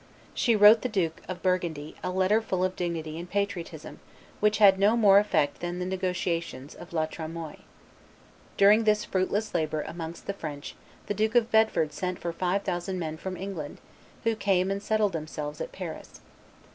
She wrote the Duke of Burgundy a letter full of dignity and patriotism, which had no more effect than the negotiations of La Tremoille. During this fruitless labor amongst the French the Duke of Bedford sent for five thousand men from England, who came and settled themselves at Paris.